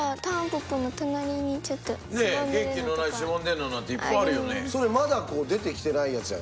元気のないしぼんでいるのなんていっぱいあるよね。